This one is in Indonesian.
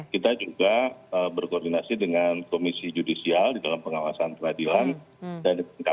kita juga berkoordinasi dengan komisi judisial dalam pengawasan peradilan dan kpk